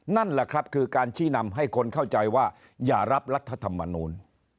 นั่นแหละครับคือการชี้นำให้คนเข้าใจว่าอย่ารับรัฐธรรมนูล